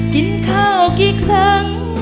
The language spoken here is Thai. กินข้าวกี่ครั้ง